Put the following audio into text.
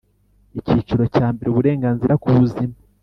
Icyiciro cya mbere Uburenganzira kubuzima